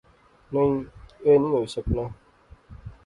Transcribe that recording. نئیں ایہہ نی ہوئی سکنا